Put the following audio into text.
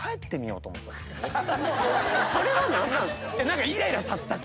それは何なんすか？